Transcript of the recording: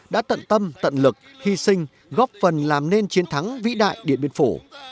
đã tận tâm tận lực hy sinh góp phần làm nên chiến thắng vĩ đại đến bên phủ